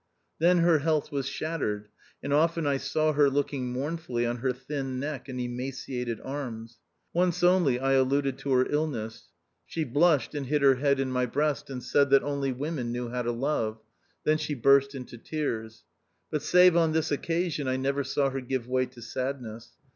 Then her health was shattered, and often I saw her looking mournfully on her thin neck and emaciated arms. Once only I alluded to her illness. She blushed, and hid her head THE OUTCAST. 171 in my breast, and said that "only women knew how to love." Then she burst into tears. But save on this occasion I never saw her give way to sadness.